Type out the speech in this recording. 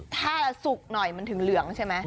ถ้าสุกหน่อยมันถึงเหลืองใช่ไหม